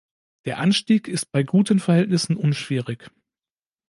Der Anstieg ist bei guten Verhältnissen unschwierig.